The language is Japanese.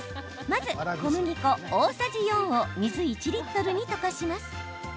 まず、小麦粉大さじ４を水１リットルに溶かします。